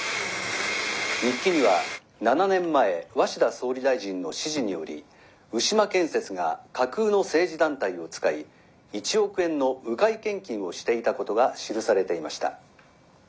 日記には７年前鷲田総理大臣の指示により牛間建設が架空の政治団体を使い１億円の迂回献金をしていたことが記されていました。